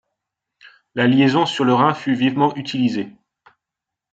La liaison sur le Rhin fut vivement utilisée.